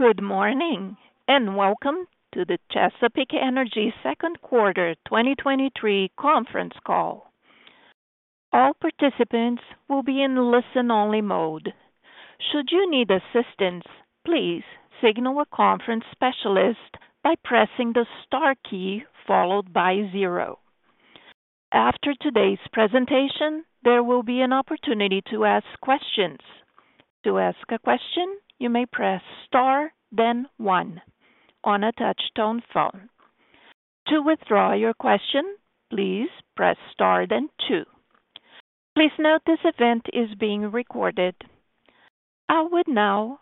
Good morning. Welcome to the Chesapeake Energy Second Quarter 2023 Conference Call. All participants will be in listen-only mode. Should you need assistance, please signal a conference specialist by pressing the Star key followed by zero. After today's presentation, there will be an opportunity to ask questions. To ask a question, you may press Star, then one on a touch-tone phone. To withdraw your question, please press Star, then two. Please note this event is being recorded. I would now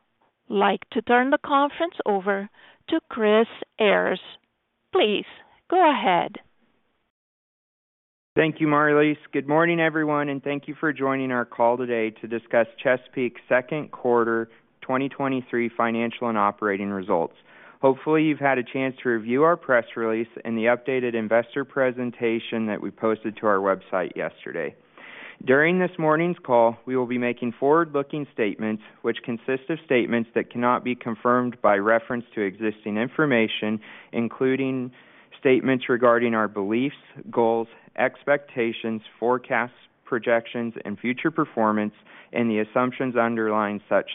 like to turn the conference over to Chris Ayres. Please go ahead. Thank you, Marlise. Good morning, everyone, and thank you for joining our call today to discuss Chesapeake's Second Quarter 2023 Financial and Operating Results. Hopefully, you've had a chance to review our press release and the updated investor presentation that we posted to our website yesterday. During this morning's call, we will be making forward-looking statements, which consist of statements that cannot be confirmed by reference to existing information, including statements regarding our beliefs, goals, expectations, forecasts, projections, and future performance, and the assumptions underlying such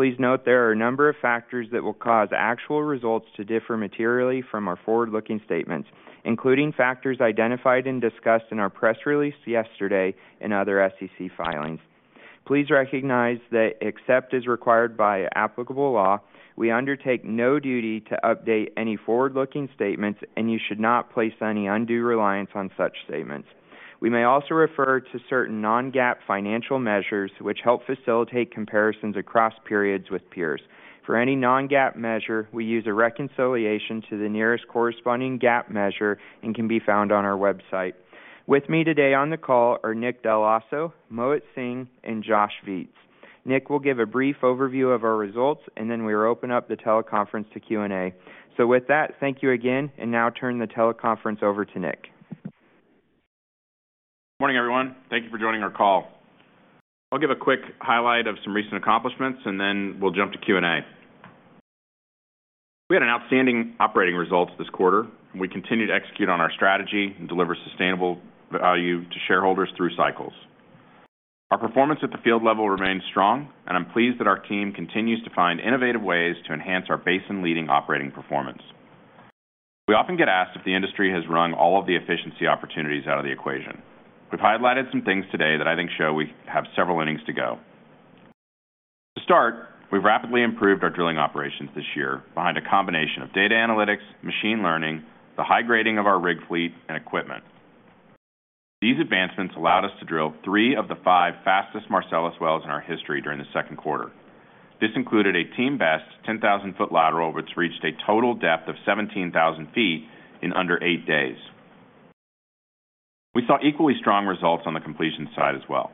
statements. Please note there are a number of factors that will cause actual results to differ materially from our forward-looking statements, including factors identified and discussed in our press release yesterday and other SEC filings. Please recognize that except as required by applicable law, we undertake no duty to update any forward-looking statements, and you should not place any undue reliance on such statements. We may also refer to certain non-GAAP financial measures, which help facilitate comparisons across periods with peers. For any non-GAAP measure, we use a reconciliation to the nearest corresponding GAAP measure and can be found on our website. With me today on the call are Nick Dell'Osso, Mohit Singh, and Josh Viets. Nick will give a brief overview of our results, and then we will open up the teleconference to Q&A. With that, thank you again, and now turn the teleconference over to Nick. Morning, everyone. Thank you for joining our call. I'll give a quick highlight of some recent accomplishments, and then we'll jump to Q&A. We had an outstanding operating results this quarter. We continued to execute on our strategy and deliver sustainable value to shareholders through cycles. Our performance at the field level remains strong, and I'm pleased that our team continues to find innovative ways to enhance our basin-leading operating performance. We often get asked if the industry has rung all of the efficiency opportunities out of the equation. We've highlighted some things today that I think show we have several innings to go. To start, we've rapidly improved our drilling operations this year behind a combination of data analytics, machine learning, the high grading of our rig fleet, and equipment. These advancements allowed us to drill 3 of the 5 fastest Marcellus wells in our history during the second quarter. This included a team best 10,000-foot lateral, which reached a total depth of 17,000 feet in under 8 days. We saw equally strong results on the completion side as well.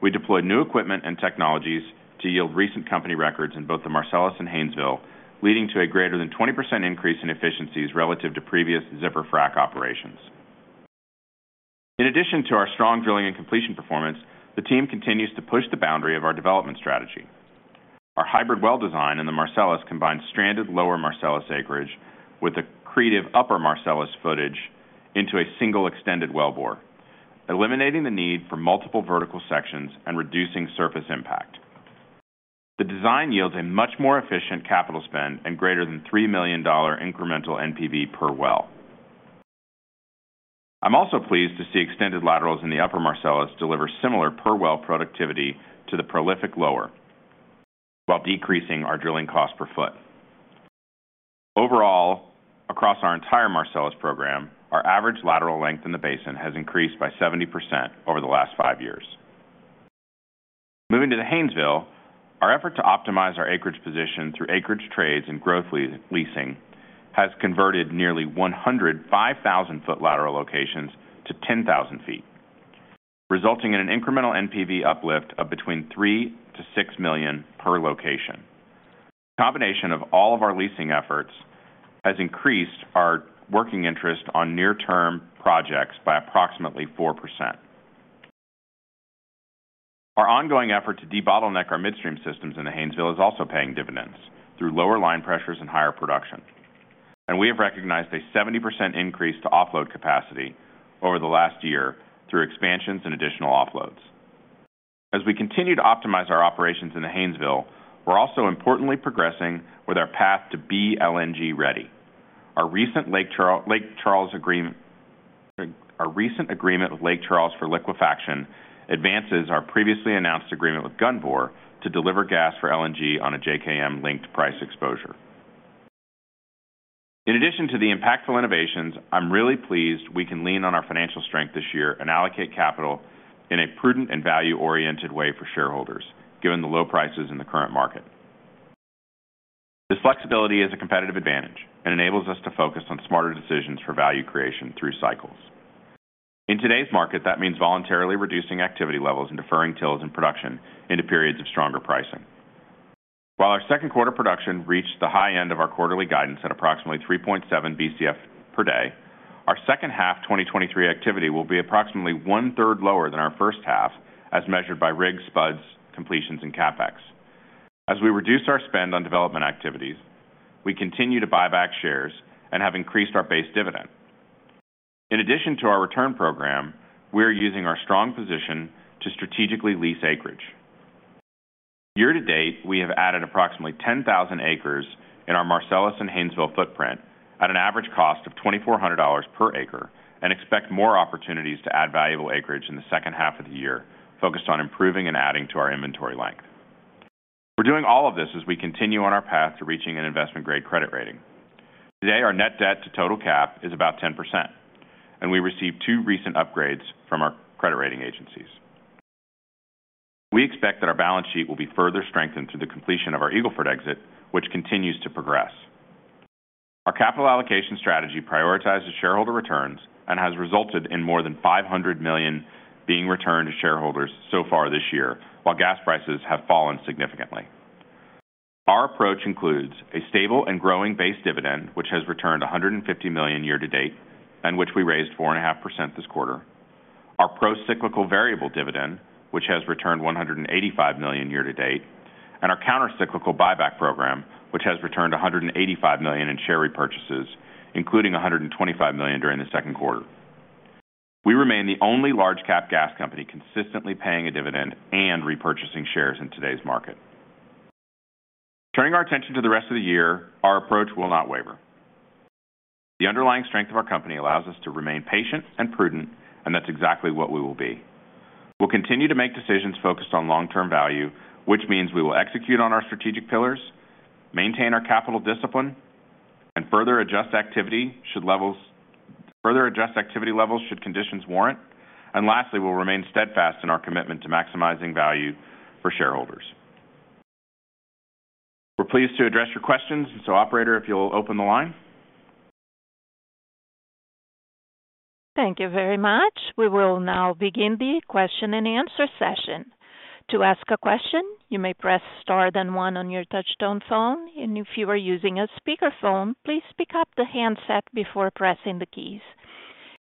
We deployed new equipment and technologies to yield recent company records in both the Marcellus and Haynesville, leading to a greater than 20% increase in efficiencies relative to previous zipper frac operations. In addition to our strong drilling and completion performance, the team continues to push the boundary of our development strategy. Our hybrid well design in the Marcellus combines stranded lower Marcellus acreage with the creative upper Marcellus footage into a single extended wellbore, eliminating the need for multiple vertical sections and reducing surface impact. The design yields a much more efficient capital spend and greater than $3 million incremental NPV per well. I'm also pleased to see extended laterals in the upper Marcellus deliver similar per well productivity to the prolific lower, while decreasing our drilling cost per foot. Overall, across our entire Marcellus program, our average lateral length in the basin has increased by 70% over the last five years. Moving to the Haynesville, our effort to optimize our acreage position through acreage trades and growth leasing has converted nearly 10,500-foot lateral locations to 10,000 feet, resulting in an incremental NPV uplift of between $3 million-$6 million per location. Combination of all of our leasing efforts has increased our working interest on near-term projects by approximately 4%. Our ongoing effort to debottleneck our midstream systems in the Haynesville is also paying dividends through lower line pressures and higher production. We have recognized a 70% increase to offload capacity over the last year through expansions and additional offloads. As we continue to optimize our operations in the Haynesville, we're also importantly progressing with our path to be LNG ready. Our recent agreement with Lake Charles for liquefaction advances our previously announced agreement with Gunvor to deliver gas for LNG on a JKM-linked price exposure. In addition to the impactful innovations, I'm really pleased we can lean on our financial strength this year and allocate capital in a prudent and value-oriented way for shareholders, given the low prices in the current market. This flexibility is a competitive advantage and enables us to focus on smarter decisions for value creation through cycles. In today's market, that means voluntarily reducing activity levels and deferring TILs and production into periods of stronger pricing. While our second quarter production reached the high end of our quarterly guidance at approximately 3.7 Bcf/d. Our second half 2023 activity will be approximately one-third lower than our first half, as measured by rigs, spuds, completions, and CapEx. As we reduce our spend on development activities, we continue to buy back shares and have increased our base dividend. In addition to our return program, we are using our strong position to strategically lease acreage. Year-to-date, we have added approximately 10,000 acres in our Marcellus and Haynesville footprint at an average cost of $2,400 per acre, and expect more opportunities to add valuable acreage in the second half of the year, focused on improving and adding to our inventory length. We're doing all of this as we continue on our path to reaching an investment-grade credit rating. Today, our net debt to total cap is about 10%, and we received 2 recent upgrades from our credit rating agencies. We expect that our balance sheet will be further strengthened through the completion of our Eagle Ford exit, which continues to progress. Our capital allocation strategy prioritizes shareholder returns and has resulted in more than $500 million being returned to shareholders so far this year, while gas prices have fallen significantly. Our approach includes a stable and growing base dividend, which has returned $150 million year-to-date, and which we raised 4.5% this quarter. Our pro-cyclical variable dividend, which has returned $185 million year-to-date, and our countercyclical buyback program, which has returned $185 million in share repurchases, including $125 million during the second quarter. We remain the only large cap gas company consistently paying a dividend and repurchasing shares in today's market. Turning our attention to the rest of the year, our approach will not waver. The underlying strength of our company allows us to remain patient and prudent, and that's exactly what we will be. We'll continue to make decisions focused on long-term value, which means we will execute on our strategic pillars, maintain our capital discipline, and further adjust activity levels should conditions warrant. Lastly, we'll remain steadfast in our commitment to maximizing value for shareholders. We're pleased to address your questions. Operator, if you'll open the line. Thank you very much. We will now begin the Q&A session. To ask a question, you may press Star, then one on your touchtone phone, and if you are using a speakerphone, please pick up the handset before pressing the keys.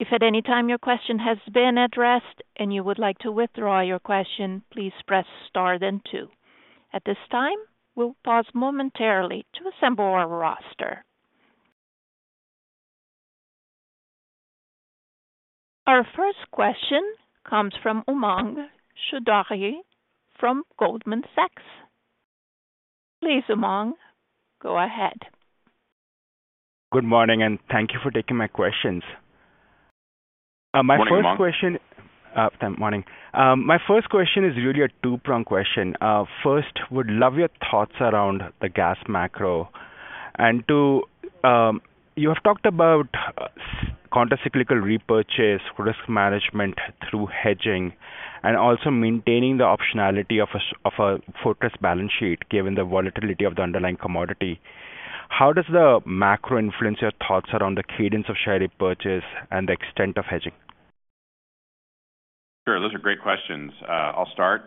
If at any time your question has been addressed and you would like to withdraw your question, please press Star then two. At this time, we'll pause momentarily to assemble our roster. Our first question comes from Umang Choudhary from Goldman Sachs. Please, Umang, go ahead. Good morning, thank you for taking my questions. Good morning, Umang. Good morning. My first question is really a two-prong question. First, would love your thoughts around the gas macro. Two, you have talked about countercyclical repurchase, risk management through hedging, and also maintaining the optionality of a fortress balance sheet, given the volatility of the underlying commodity. How does the macro influence your thoughts around the cadence of share repurchase and the extent of hedging? Sure. Those are great questions. I'll start.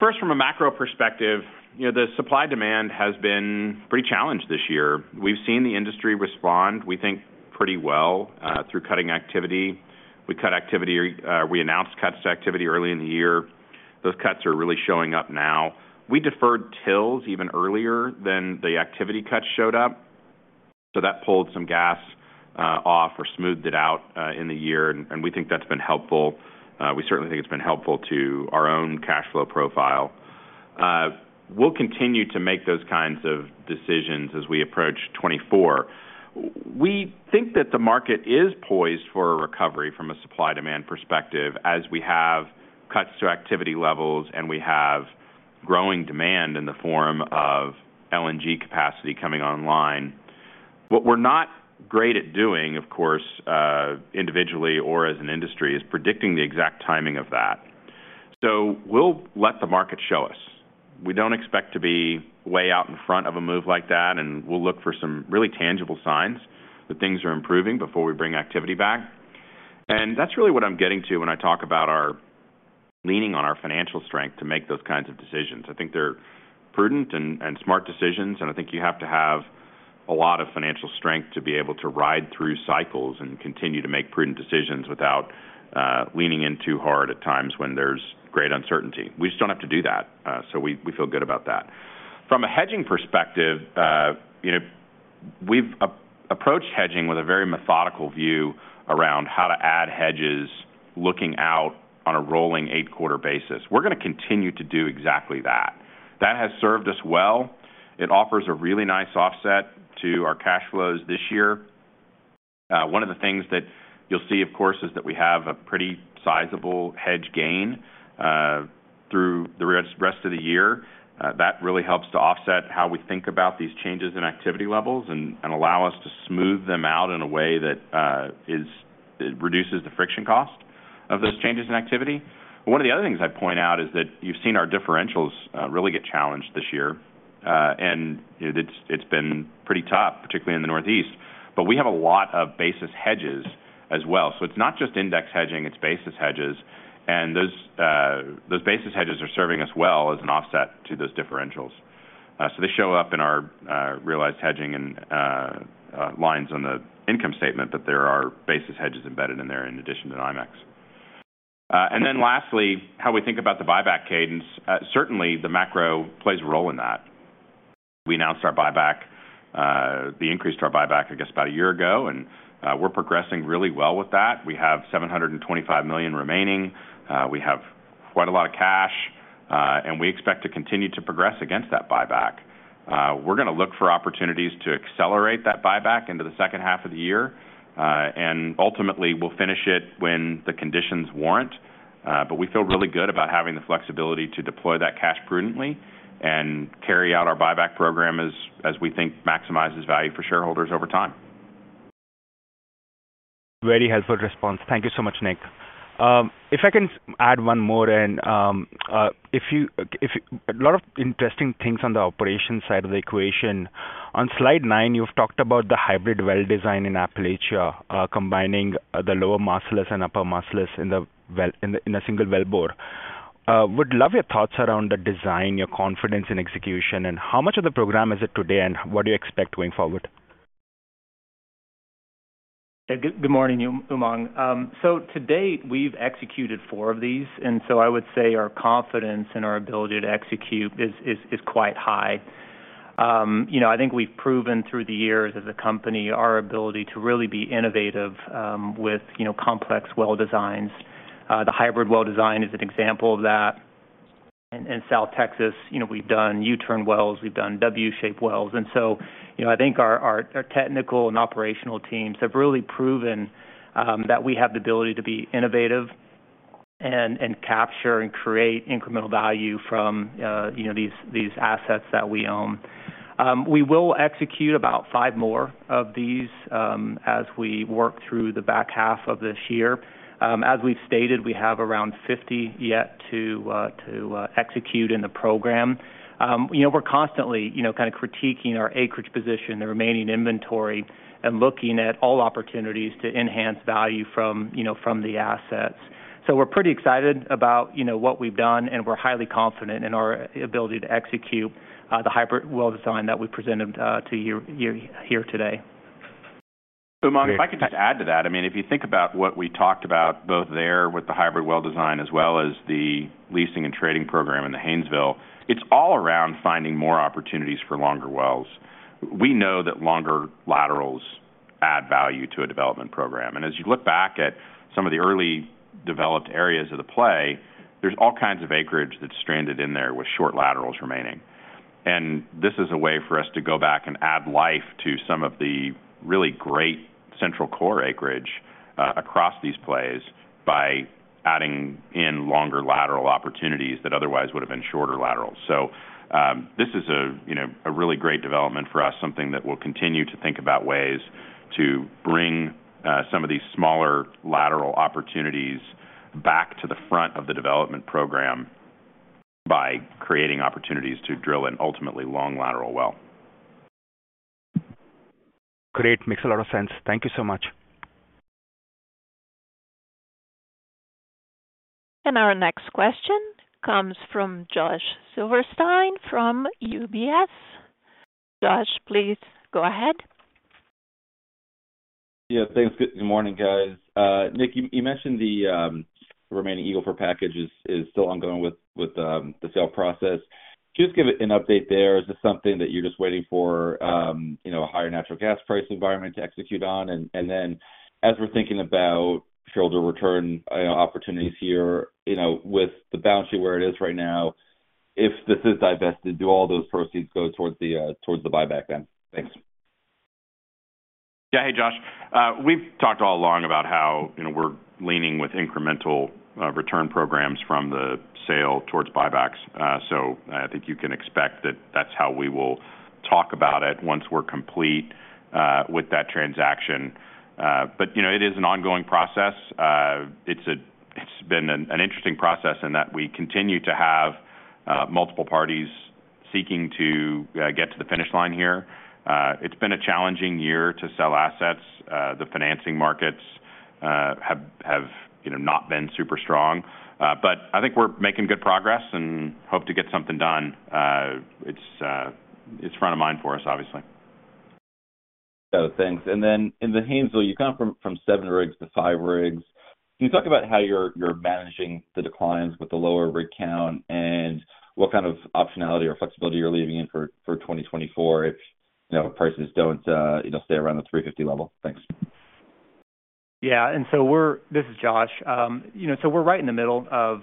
First, from a macro perspective, you know, the supply-demand has been pretty challenged this year. We've seen the industry respond, we think, pretty well, through cutting activity. We cut activity, we announced cuts to activity early in the year. Those cuts are really showing up now. We deferred TILs even earlier than the activity cuts showed up, so that pulled some gas, off or smoothed it out, in the year, we think that's been helpful. We certainly think it's been helpful to our own cash flow profile. We'll continue to make those kinds of decisions as we approach '24. We think that the market is poised for a recovery from a supply-demand perspective, as we have cuts to activity levels, and we have growing demand in the form of LNG capacity coming online. What we're not great at doing, of course, individually or as an industry, is predicting the exact timing of that. We'll let the market show us. We don't expect to be way out in front of a move like that, and we'll look for some really tangible signs that things are improving before we bring activity back. That's really what I'm getting to when I talk about leaning on our financial strength to make those kinds of decisions. I think they're prudent and smart decisions. I think you have to have a lot of financial strength to be able to ride through cycles and continue to make prudent decisions without leaning in too hard at times when there's great uncertainty. We just don't have to do that. We feel good about that. From a hedging perspective, you know, we've approached hedging with a very methodical view around how to add hedges looking out on a rolling eight-quarter basis. We're gonna continue to do exactly that. That has served us well. It offers a really nice offset to our cash flows this year. One of the things that you'll see, of course, is that we have a pretty sizable hedge gain through the rest of the year. That really helps to offset how we think about these changes in activity levels and allow us to smooth them out in a way that reduces the friction cost of those changes in activity. One of the other things I'd point out is that you've seen our differentials really get challenged this year, and it's been pretty tough, particularly in the Northeast. We have a lot of basis hedges as well. It's not just index hedging, it's basis hedges, and those basis hedges are serving us well as an offset to those differentials. They show up in our realized hedging and lines on the income statement, but there are basis hedges embedded in there in addition to the NYMEX. Lastly, how we think about the buyback cadence. Certainly, the macro plays a role in that. We announced our buyback, the increase to our buyback, I guess, about a year ago, and we're progressing really well with that. We have $725 million remaining. We have quite a lot of cash, and we expect to continue to progress against that buyback. We're gonna look for opportunities to accelerate that buyback into the second half of the year, and ultimately, we'll finish it when the conditions warrant. We feel really good about having the flexibility to deploy that cash prudently and carry out our buyback program as, as we think maximizes value for shareholders over time. Very helpful response. Thank you so much, Nick. If I can add one more, a lot of interesting things on the operation side of the equation. On slide 9, you've talked about the hybrid well design in Appalachia, combining the lower Marcellus and upper Marcellus in the well- in a single wellbore. Would love your thoughts around the design, your confidence in execution, and how much of the program is it today, and what do you expect going forward? Yeah, good, good morning, Umang. So to date, we've executed 4 of these. I would say our confidence in our ability to execute is, is, is quite high. You know, I think we've proven through the years as a company, our ability to really be innovative, with, you know, complex well designs. The hybrid well design is an example of that. In South Texas, you know, we've done U-turn wells, we've done W-shaped wells. You know, I think our, our, our technical and operational teams have really proven that we have the ability to be innovative and, and capture and create incremental value from, you know, these, these assets that we own. We will execute about 5 more of these as we work through the back half of this year. As we've stated, we have around 50 yet to execute in the program. You know, we're constantly, you know, kind of critiquing our acreage position, the remaining inventory, and looking at all opportunities to enhance value from, you know, from the assets. We're pretty excited about, you know, what we've done, and we're highly confident in our ability to execute the hybrid well design that we presented to you here today. Umang, if I could just add to that, I mean, if you think about what we talked about, both there with the hybrid well design as well as the leasing and trading program in the Haynesville, it's all around finding more opportunities for longer wells. We know that longer laterals add value to a development program, and as you look back at some of the early developed areas of the play, there's all kinds of acreage that's stranded in there with short laterals remaining. This is a way for us to go back and add life to some of the really great central core acreage across these plays by adding in longer lateral opportunities that otherwise would have been shorter laterals. This is a, you know, a really great development for us, something that we'll continue to think about ways to bring some of these smaller lateral opportunities back to the front of the development program by creating opportunities to drill an ultimately long lateral well. Great. Makes a lot of sense. Thank you so much. Our next question comes from Josh Silverstein from UBS. Josh, please go ahead. Yeah, thanks. Good morning, guys. Nick, you, you mentioned the remaining Eagle Ford package is, is still ongoing with, with the sale process. Just give an update there. Is this something that you're just waiting for, you know, a higher natural gas price environment to execute on? Then as we're thinking about shareholder return opportunities here, you know, with the balance sheet where it is right now, if this is divested, do all those proceeds go towards the towards the buyback then? Thanks. Yeah. Hey, Josh. We've talked all along about how, you know, we're leaning with incremental return programs from the sale towards buybacks. I think you can expect that that's how we will talk about it once we're complete with that transaction. You know, it is an ongoing process. It's been an interesting process in that we continue to have multiple parties seeking to get to the finish line here. It's been a challenging year to sell assets. The financing markets have, you know, not been super strong, I think we're making good progress and hope to get something done. It's front of mind for us, obviously. Thanks. Then in the Haynesville, you come from, from 7 rigs to 5 rigs. Can you talk about how you're, you're managing the declines with the lower rig count and what kind of optionality or flexibility you're leaving in for, for 2024 if, you know, prices don't, you know, stay around the $3.50 level? Thanks. Yeah. This is Josh. You know, we're right in the middle of,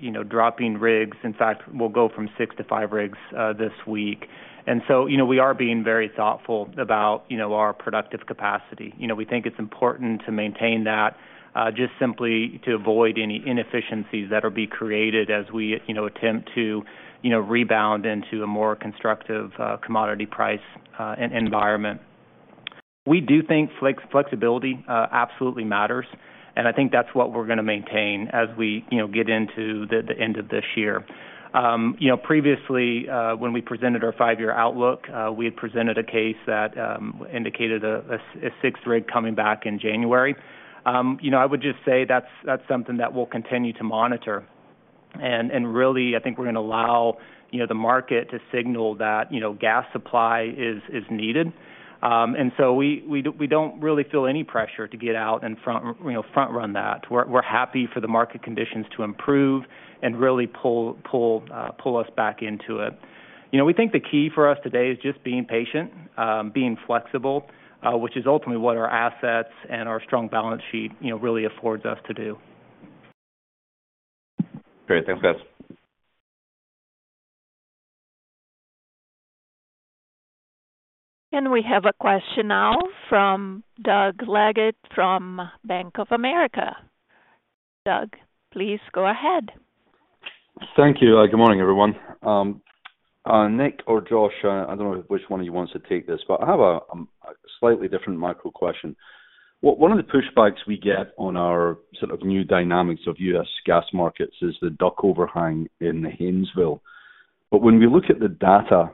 you know, dropping rigs. In fact, we'll go from 6 to 5 rigs this week. You know, we are being very thoughtful about, you know, our productive capacity. You know, we think it's important to maintain that just simply to avoid any inefficiencies that will be created as we, you know, attempt to, you know, rebound into a more constructive commodity price environment. We do think flexibility absolutely matters. I think that's what we're going to maintain as we, you know, get into the end of this year. You know, previously, when we presented our 5-year outlook, we had presented a case that indicated a 6th rig coming back in January. You know, I would just say that's, that's something that we'll continue to monitor. Really, I think we're going to allow, you know, the market to signal that, you know, gas supply is, is needed. We, we don't really feel any pressure to get out and front, you know, front-run that. We're, we're happy for the market conditions to improve and really pull, pull, pull us back into it. You know, we think the key for us today is just being patient, being flexible, which is ultimately what our assets and our strong balance sheet, you know, really affords us to do. Great. Thanks, guys. We have a question now from Doug Leggate from Bank of America. Doug, please go ahead. Thank you. Good morning, everyone. Nick or Josh, I don't know which one of you wants to take this, but I have a slightly different micro question. One, one of the pushbacks we get on our sort of new dynamics of U.S. gas markets is the DUC overhang in the Haynesville. When we look at the data,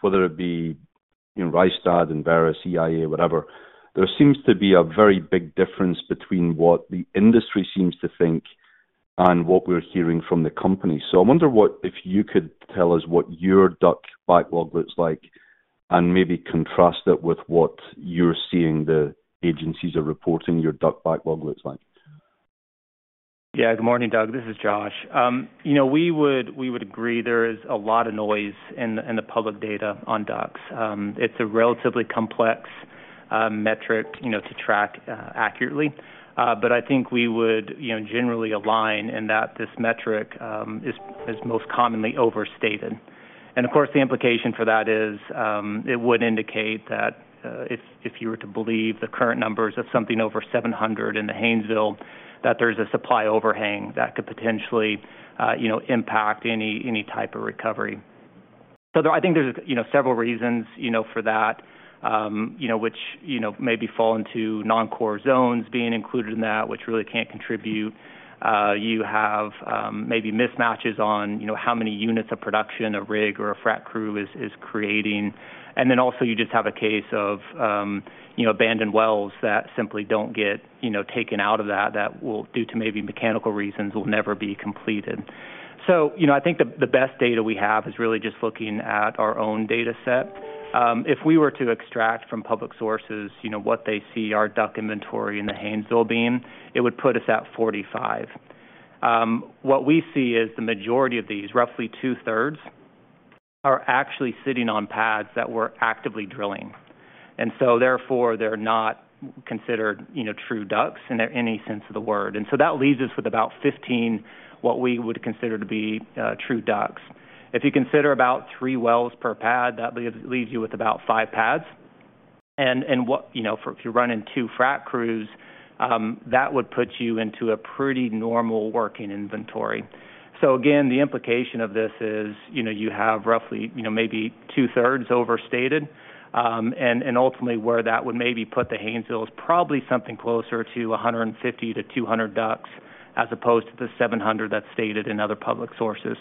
whether it be, you know, Rystad, Enverus, EIA, whatever, there seems to be a very big difference between what the industry seems to think and what we're hearing from the company. I wonder if you could tell us what your DUC backlog looks like, and maybe contrast it with what you're seeing the agencies are reporting your DUC backlog looks like. Yeah. Good morning, Doug. This is Josh. You know, we would, we would agree there is a lot of noise in, in the public data on DUCs. It's a relatively complex metric, you know, to track accurately. I think we would, you know, generally align in that this metric is most commonly overstated. Of course, the implication for that is, it would indicate that, if, if you were to believe the current numbers of something over 700 in the Haynesville, that there's a supply overhang that could potentially, you know, impact any, any type of recovery. I think there's, you know, several reasons, you know, for that- you know, which, you know, maybe fall into non-core zones being included in that, which really can't contribute. You have, maybe mismatches on, you know, how many units of production a rig or a frac crew is creating. And then also, you just have a case of, you know, abandoned wells that simply don't get, you know, taken out of that, that will, due to maybe mechanical reasons, will never be completed. So, you know, I think the best data we have is really just looking at our own data set. If we were to extract from public sources, you know, what they see our DUC inventory in the Haynesville being, it would put us at 45. What we see is the majority of these, roughly two-thirds, are actually sitting on pads that we're actively drilling. And so therefore, they're not considered, you know, true DUCs in any sense of the word. That leaves us with about 15, what we would consider to be true DUCs. If you consider about 3 wells per pad, that leaves you with about 5 pads. You know, if you're running 2 frac crews, that would put you into a pretty normal working inventory. Again, the implication of this is, you know, you have roughly, you know, maybe two-thirds overstated. Ultimately, where that would maybe put the Haynesville is probably something closer to 150 to 200 DUCs, as opposed to the 700 that's stated in other public sources.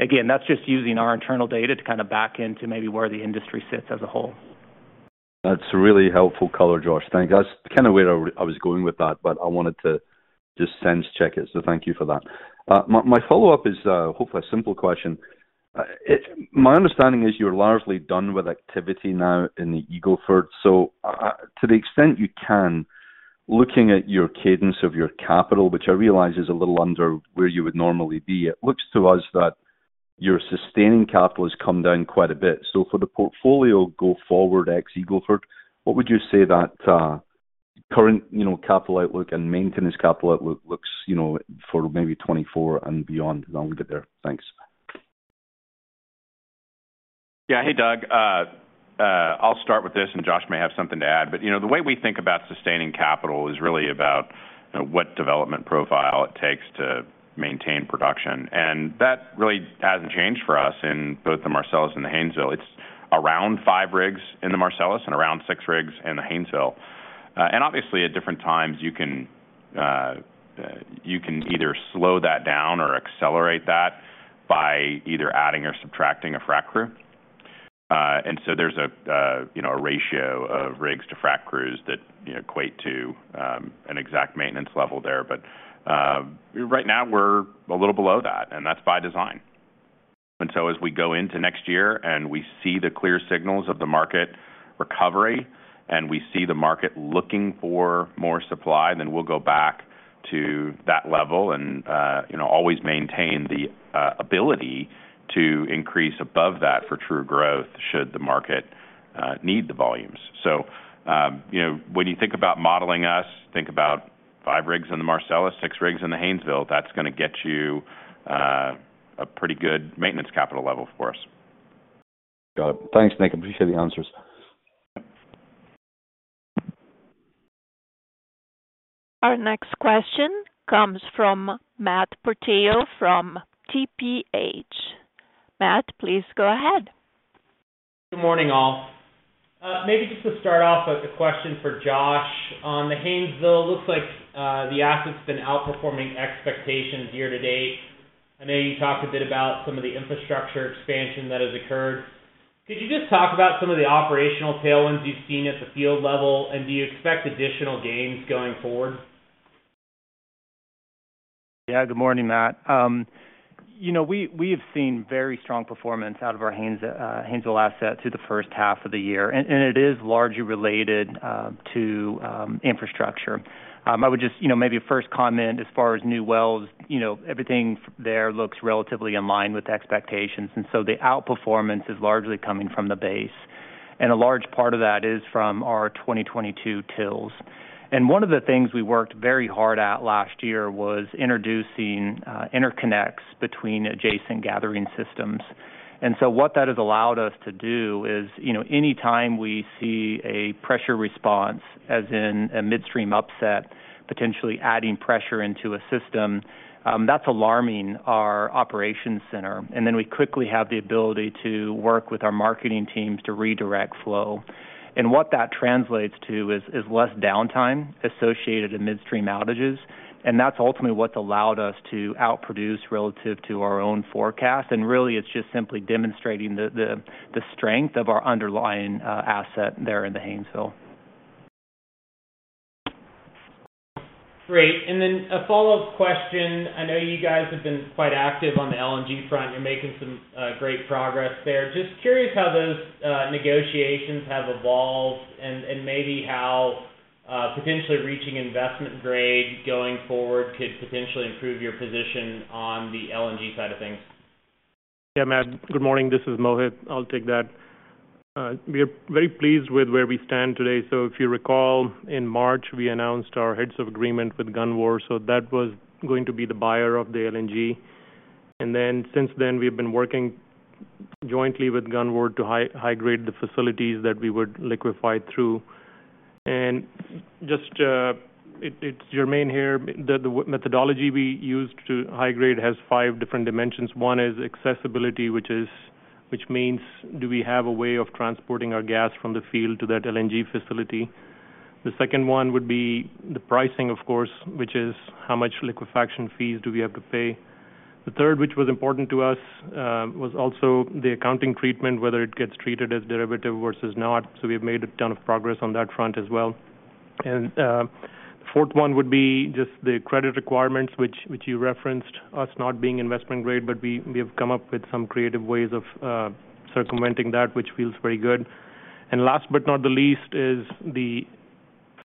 Again, that's just using our internal data to kind of back into maybe where the industry sits as a whole. That's a really helpful color, Josh. Thank you. That's kind of where I was going with that, but I wanted to just sense check it, so thank you for that. My, my follow-up is, hopefully a simple question. My understanding is you're largely done with activity now in the Eagle Ford. To the extent you can, looking at your cadence of your capital, which I realize is a little under where you would normally be, it looks to us that your sustaining capital has come down quite a bit. For the portfolio go forward, ex-Eagle Ford, what would you say that, current, you know, capital outlook and maintenance capital outlook looks, you know, for maybe '24 and beyond, as long as we get there? Thanks. Yeah. Hey, Doug. I'll start with this, and Josh may have something to add. You know, the way we think about sustaining capital is really about, you know, what development profile it takes to maintain production. That really hasn't changed for us in both the Marcellus and the Haynesville. It's around 5 rigs in the Marcellus and around 6 rigs in the Haynesville. Obviously, at different times, you can either slow that down or accelerate that by either adding or subtracting a frac crew. There's a, you know, a ratio of rigs to frac crews that, you know, equate to an exact maintenance level there. Right now we're a little below that, and that's by design. So as we go into next year and we see the clear signals of the market recovery, and we see the market looking for more supply, then we'll go back to that level and, you know, always maintain the ability to increase above that for true growth, should the market need the volumes. You know, when you think about modeling us, think about 5 rigs in the Marcellus, 6 rigs in the Haynesville. That's gonna get you a pretty good maintenance capital level for us. Got it. Thanks, Nick. I appreciate the answers. Our next question comes from Matthew Portillo from TPH. Matt, please go ahead. Good morning, all. Maybe just to start off with a question for Josh. On the Haynesville, looks like the asset's been outperforming expectations year to date. I know you talked a bit about some of the infrastructure expansion that has occurred. Could you just talk about some of the operational tailwinds you've seen at the field level, and do you expect additional gains going forward? Yeah. Good morning, Matt. You know, we, we have seen very strong performance out of our Haynesville asset through the first half of the year, and it is largely related to infrastructure. I would just, you know, maybe first comment as far as new wells, you know, everything there looks relatively in line with expectations, and so the outperformance is largely coming from the base, and a large part of that is from our 2022 TILs. One of the things we worked very hard at last year was introducing interconnects between adjacent gathering systems. What that has allowed us to do is, you know, anytime we see a pressure response, as in a midstream upset, potentially adding pressure into a system, that's alarming our operations center, and then we quickly have the ability to work with our marketing teams to redirect flow. What that translates to is, is less downtime associated with midstream outages, and that's ultimately what's allowed us to outproduce relative to our own forecast. Really, it's just simply demonstrating the, the, the strength of our underlying asset there in the Haynesville. Great. Then a follow-up question. I know you guys have been quite active on the LNG front. You're making some great progress there. Just curious how those negotiations have evolved and maybe how potentially reaching investment-grade going forward could potentially improve your position on the LNG side of things? Yeah, Matt, good morning. This is Mohit. I'll take that. We are very pleased with where we stand today. If you recall, in March, we announced our heads of agreement with Gunvor. That was going to be the buyer of the LNG. Since then, we've been working jointly with Gunvor to high-grade the facilities that we would liquefy through. The methodology we use to high-grade has five different dimensions. One is accessibility, which means, do we have a way of transporting our gas from the field to that LNG facility? The second one would be the pricing, of course, which is how much liquefaction fees do we have to pay. The third, which was important to us, was also the accounting treatment, whether it gets treated as derivative versus not. We've made a ton of progress on that front as well. The fourth one would be just the credit requirements, which, which you referenced us not being investment-grade, but we, we have come up with some creative ways of circumventing that, which feels very good. Last but not the least, is the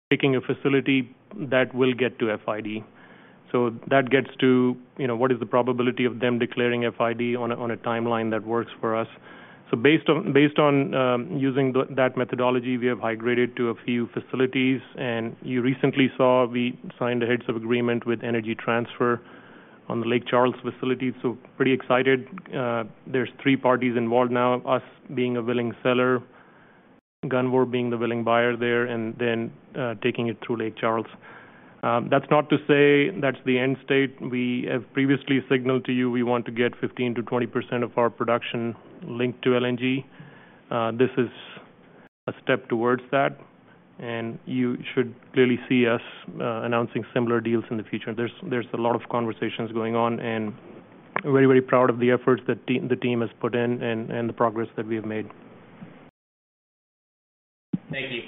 picking a facility that will get to FID. That gets to, you know, what is the probability of them declaring FID on a timeline that works for us. Based on, based on using the, that methodology, we have high-graded to a few facilities, and you recently saw we signed the heads of agreement with Energy Transfer on the Lake Charles facility. Pretty excited. There's three parties involved now, us being a willing seller, Gunvor being the willing buyer there, and then taking it through Lake Charles. That's not to say that's the end state. We have previously signaled to you we want to get 15%-20% of our production linked to LNG. This is a step towards that, and you should clearly see us announcing similar deals in the future. There's a lot of conversations going on, and we're very, very proud of the efforts that the team has put in and the progress that we have made. Thank you.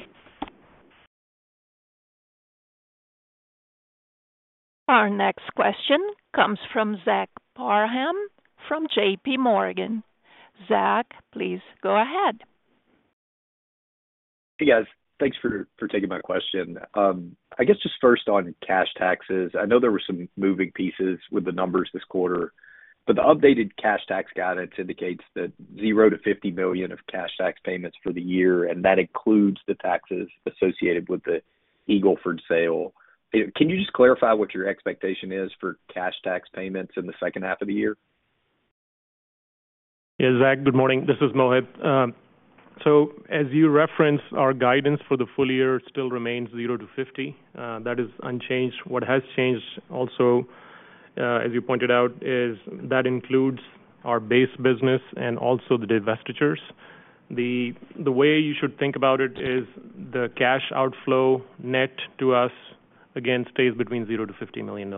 Our next question comes from Zach Parham, from JPMorgan. Zach, please go ahead. Hey, guys. Thanks for, for taking my question. I guess just first on cash taxes, I know there were some moving pieces with the numbers this quarter, but the updated cash tax guidance indicates that $0-$50 million of cash tax payments for the year, and that includes the taxes associated with the Eagle Ford sale. Can you just clarify what your expectation is for cash tax payments in the second half of the year? Yeah, Zach, good morning. This is Mohit. As you referenced, our guidance for the full year still remains 0-50. That is unchanged. What has changed also, as you pointed out, is that includes our base business and also the divestitures. The way you should think about it is the cash outflow net to us, again, stays between $0-$50 million.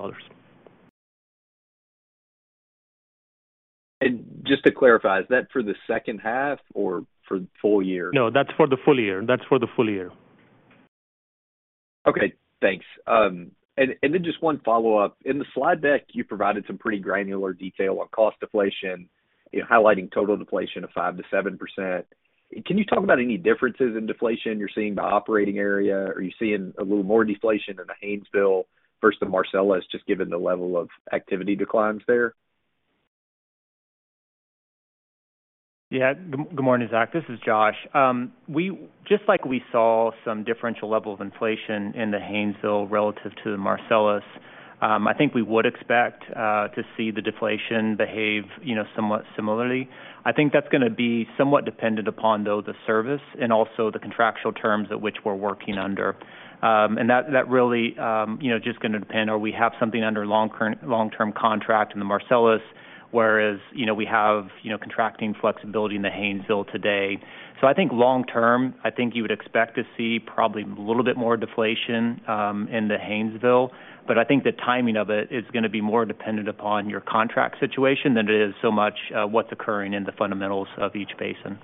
Just to clarify, is that for the second half or for the full year? No, that's for the full year. That's for the full year. Okay, thanks. Then just one follow-up. In the slide deck, you provided some pretty granular detail on cost deflation, highlighting total deflation of 5%-7%. Can you talk about any differences in deflation you're seeing by operating area? Are you seeing a little more deflation in the Haynesville versus the Marcellus, just given the level of activity declines there? Yeah. Good morning, Zach. This is Josh. Just like we saw some differential level of inflation in the Haynesville relative to the Marcellus, I think we would expect to see the deflation behave, you know, somewhat similarly. I think that's gonna be somewhat dependent upon, though, the service and also the contractual terms at which we're working under. That really, you know, just gonna depend on, we have something under long-term contract in the Marcellus- whereas, you know, we have, you know, contracting flexibility in the Haynesville today. I think long term, I think you would expect to see probably a little bit more deflation, in the Haynesville. I think the timing of it is going to be more dependent upon your contract situation than it is so much, what's occurring in the fundamentals of each basin.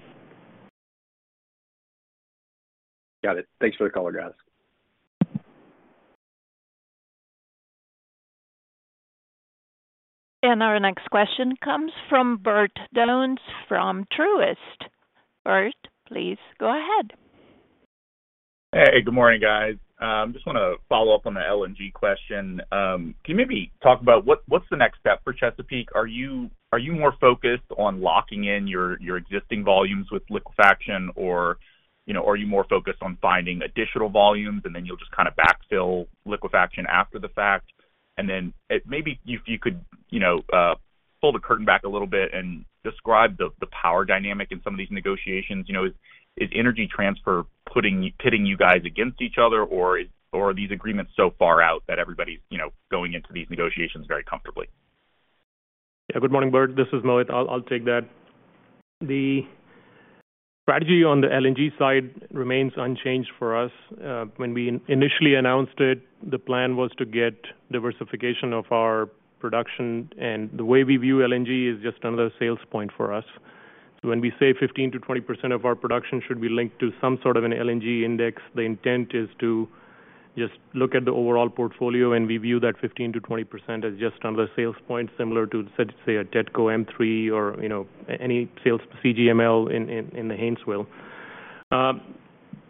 Got it. Thanks for the color, guys. Our next question comes from Bert Donnes from Truist. Bert, please go ahead. Hey, good morning, guys. Just want to follow up on the LNG question. Can you maybe talk about what, what's the next step for Chesapeake? Are you, are you more focused on locking in your, your existing volumes with liquefaction, or, you know, are you more focused on finding additional volumes, and then you'll just kind of backfill liquefaction after the fact? Maybe you, you could, you know, pull the curtain back a little bit and describe the, the power dynamic in some of these negotiations. You know, is, is Energy Transfer pitting you guys against each other, or is, or are these agreements so far out that everybody's, you know, going into these negotiations very comfortably? Yeah. Good morning, Bert. This is Mohit. I'll, I'll take that. The strategy on the LNG side remains unchanged for us. When we initially announced it, the plan was to get diversification of our production, and the way we view LNG is just another sales point for us. So when we say 15%-20% of our production should be linked to some sort of an LNG index, the intent is to just look at the overall portfolio, and we view that 15%-20% as just another sales point, similar to, say, a TETCO M3 or, you know, any sales CGML in, in, in the Haynesville.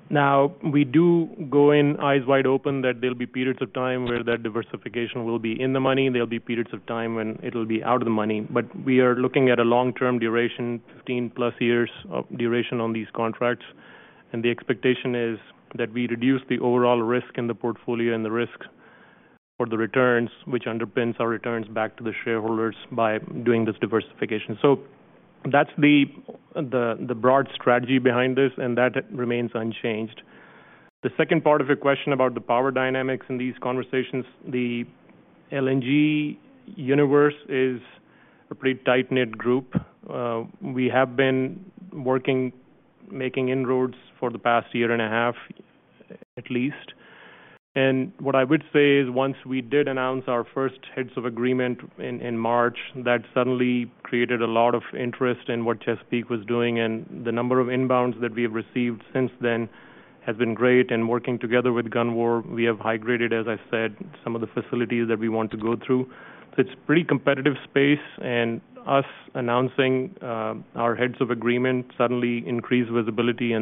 Now, we do go in eyes wide open, that there'll be periods of time where that diversification will be in the money. There'll be periods of time when it'll be out of the money. We are looking at a long-term duration, 15+ years of duration on these contracts. The expectation is that we reduce the overall risk in the portfolio and the risk for the returns, which underpins our returns back to the shareholders by doing this diversification. That's the, the, the broad strategy behind this, and that remains unchanged. The second part of your question about the power dynamics in these conversations, the LNG universe is a pretty tight-knit group. We have been working, making inroads for the past year and a half at least. What I would say is, once we did announce our first heads of agreement in, in March, that suddenly created a lot of interest in Chesapeake Energy was doing, and the number of inbounds that we have received since then has been great. Working together with Gunvor, we have high-graded, as I said, some of the facilities that we want to go through. It's pretty competitive space, and us announcing our heads of agreement suddenly increased visibility.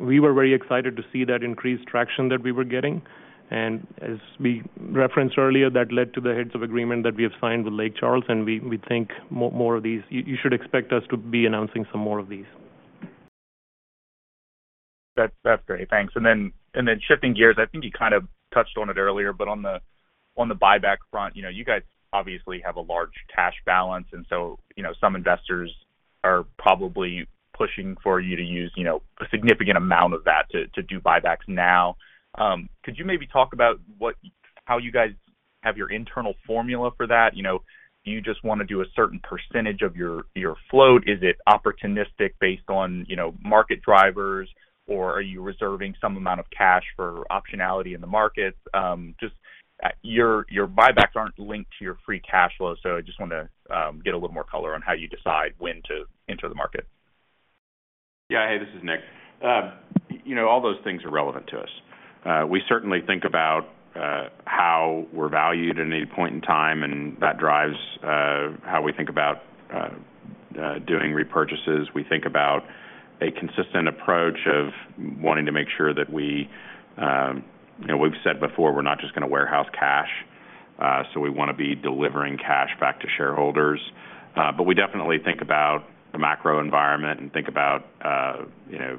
We were very excited to see that increased traction that we were getting. As we referenced earlier, that led to the heads of agreement that we have signed with Lake Charles, and we think more of these- you should expect us to be announcing some more of these. That's, that's great. Thanks. Then shifting gears, I think you kind of touched on it earlier, but on the, on the buyback front, you know, you guys obviously have a large cash balance, and so, you know, some investors are probably pushing for you to use, you know, a significant amount of that to, to do buybacks now. Could you maybe talk about how you guys have your internal formula for that? You know, do you just want to do a certain percentage of your, your float? Is it opportunistic based on, you know, market drivers, or are you reserving some amount of cash for optionality in the markets? Just your buybacks aren't linked to your free cash flow, so I just wanted to get a little more color on how you decide when to enter the market. Yeah. Hey, this is Nick. You know, all those things are relevant to us. We certainly think about how we're valued in any point in time, and that drives how we think about doing repurchases. We think about a consistent approach of wanting to make sure that we, you know, we've said before, we're not just going to warehouse cash, so we want to be delivering cash back to shareholders. We definitely think about the macro environment and think about, you know,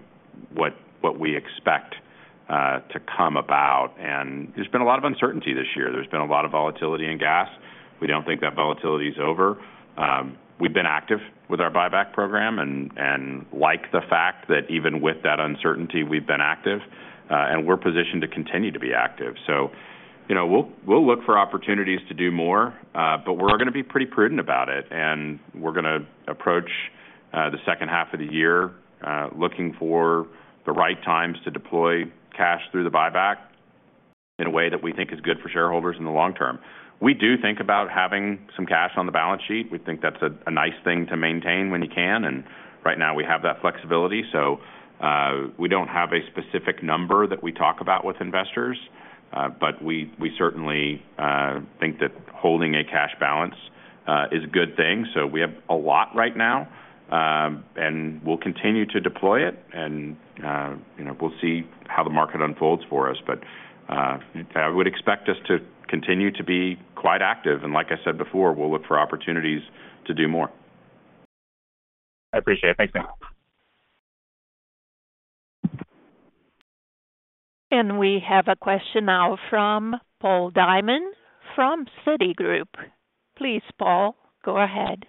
what, what we expect to come about. There's been a lot of uncertainty this year. There's been a lot of volatility in gas. We don't think that volatility is over. We've been active with our buyback program and, and like the fact that even with that uncertainty, we've been active, and we're positioned to continue to be active. You know, we'll, we'll look for opportunities to do more, but we're going to be pretty prudent about it, and we're going to approach the second half of the year, looking for the right times to deploy cash through the buyback in a way that we think is good for shareholders in the long term. We do think about having some cash on the balance sheet. We think that's a, a nice thing to maintain when you can, and right now we have that flexibility. We don't have a specific number that we talk about with investors, but we, we certainly think that holding a cash balance is a good thing. We have a lot right now, and we'll continue to deploy it and, you know, we'll see how the market unfolds for us. I would expect us to continue to be quite active, and like I said before, we'll look for opportunities to do more. I appreciate it. Thanks, Nick. We have a question now from Paul Diamond from Citigroup. Please, Paul, go ahead.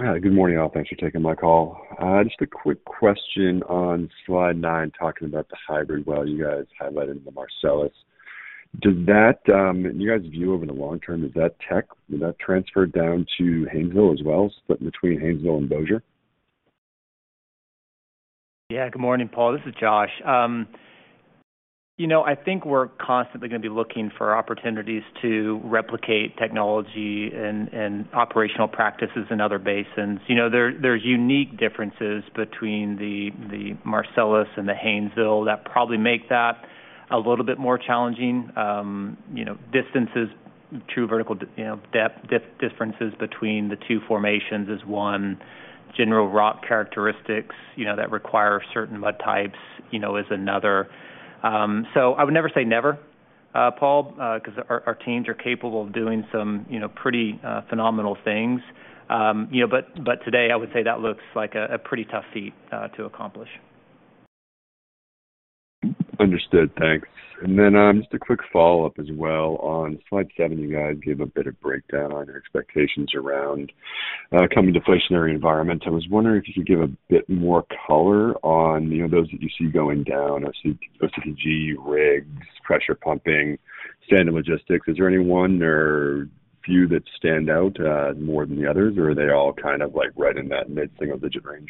Hi, good morning, all. Thanks for taking my call. Just a quick question on slide nine, talking about the hybrid well, you guys highlighted in the Marcellus. Does that, you guys view over the long term, is that tech, will that transfer down to Haynesville as well, split between Haynesville and Bossier? Yeah. Good morning, Paul. This is Josh. You know, I think we're constantly gonna be looking for opportunities to replicate technology and, and operational practices in other basins. You know, there, there's unique differences between the, the Marcellus and the Haynesville that probably make that a little bit more challenging. You know, distances, true vertical, you know, depth, differences between the two formations is one, general rock characteristics, you know, that require certain mud types, you know, is another. So I would never say never, Paul, 'cause our, our teams are capable of doing some, you know, pretty phenomenal things, you know- but, but today I would say that looks like a, a pretty tough feat to accomplish. Understood. Thanks. Then, just a quick follow-up as well. On slide seven, you guys gave a bit of breakdown on your expectations around, coming deflationary environment. I was wondering if you could give a bit more color on, you know, those that you see going down, OCTG, rigs, pressure pumping, standard logistics. Is there any one or few that stand out, more than the others, or are they all kind of like right in that mid-single-digit range?